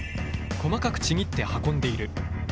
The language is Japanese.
細かくちぎって運んでいる。